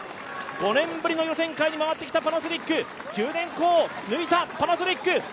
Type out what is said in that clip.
５年ぶりの予選会に回ってきたパナソニック九電工を抜いたパナソニック！